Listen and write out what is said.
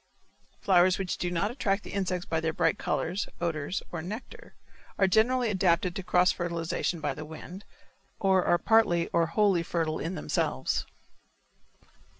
Flowers which do not attract the insects by their bright colors, odor, or nectar, are generally adapted to cross fertilization by the wind or are partly or wholly fertile in themselves.